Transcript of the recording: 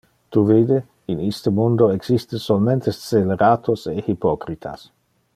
Tu vide, in iste mundo existe solmente sceleratos e hypocritas.